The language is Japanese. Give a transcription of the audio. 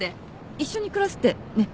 一緒に暮らすってねっ？